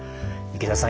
池田さん